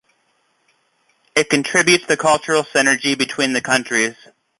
It contributes the cultural synergy between the countries.